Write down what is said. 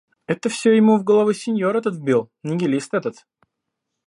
Это все ему в голову синьор этот вбил, нигилист этот.